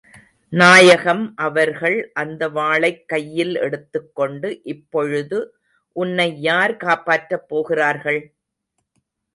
நாயகம் அவர்கள் அந்த வாளைக் கையில் எடுத்து கொண்டு, இப்பொழுது உன்னை யார் காப்பாற்றப் போகிறார்கள்?